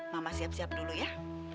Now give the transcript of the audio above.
mama siap siap dulu ya